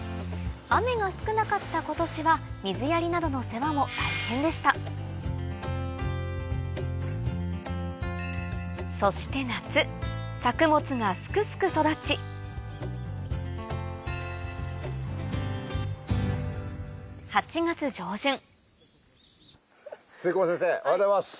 雨が少なかった今年は水やりなどのそして夏作物がすくすく育ち露久保先生おはようございます。